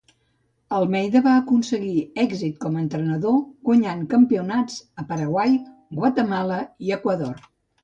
Almeida va aconseguir èxit com entrenador guanyant campionats a Paraguai, Guatemala i Equador.